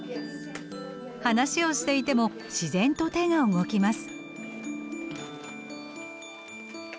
話をしていても自然と手が動きます。